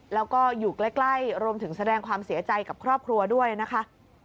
แล้วก็อยู่ใกล้รวมถึงแสดงความเสียใจกับครอบครัวด้วยนะคะ